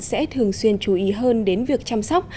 sẽ thường xuyên chú ý hơn đến việc chăm sóc